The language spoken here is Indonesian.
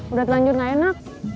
udah telanjur gak enak